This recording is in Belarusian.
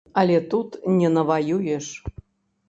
Але тут не наваюеш.